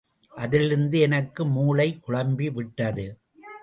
அதிலிருந்து எனக்கு மூளை குழம்பி விட்டது.